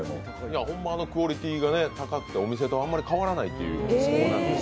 ホンマ、クオリティが高くてお店とそんな変わらないという。